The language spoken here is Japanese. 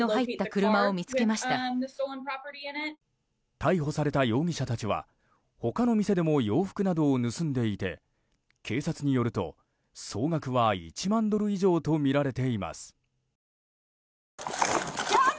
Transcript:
逮捕された容疑者たちは他の店でも洋服などを盗んでいて警察によると総額は１万ドル以上とみられています。